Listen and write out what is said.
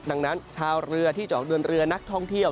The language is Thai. ดังนั้นชาวเรือที่จะออกเดินเรือนักท่องเที่ยว